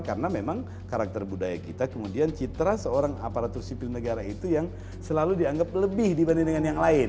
karena memang karakter budaya kita kemudian citra seorang aparatur sipil negara itu yang selalu dianggap lebih dibanding dengan yang lain